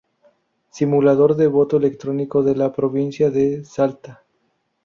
Simulador de voto electrónico de la Provincia de Salta.